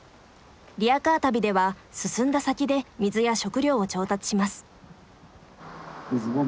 リヤカー旅では進んだ先で水や食料を調達します。